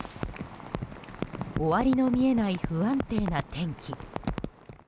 終わりの見えない不安定な天気。